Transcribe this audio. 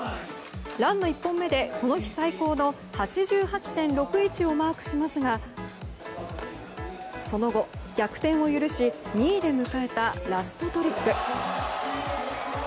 ランの１本目で、この日最高の８８．６１をマークしますがその後、逆転を許し２位で迎えたラストトリック。